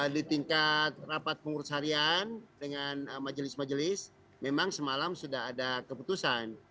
di tingkat rapat pengurus harian dengan majelis majelis memang semalam sudah ada keputusan